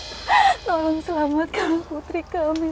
tolong selamatkan putri kami